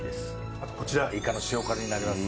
あとこちらいかの塩辛になります。